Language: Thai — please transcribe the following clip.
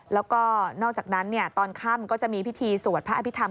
แล้วก็นอกจากนั้นตอนค่ำก็จะมีพิธีสวดพระอภิษฐรร